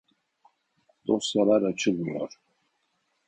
Dosyalar açılmıyor